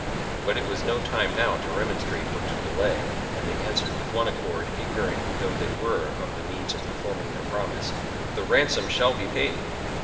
But it was no time now to remon strate or to delay; and they answered with one accord, ignorant though they were of the means of performing their promise, "The ransom shall be paid!"